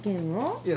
いや。